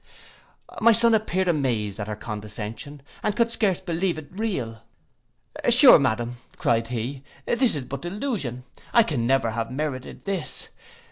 My son appeared amazed at her condescension, and could scarce believe it real.—'Sure, madam,' cried he, 'this is but delusion! I can never have merited this!